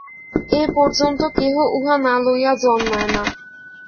এ-পর্যন্ত কেহ উহা না লইয়া জন্মায় না।